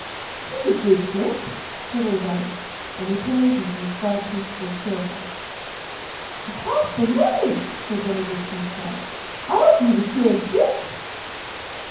"'Tis a good trick," said O'Donnell; and he paid him his five pieces of silver. "For half the money," said one of the chief's lads, "I'll do the same trick."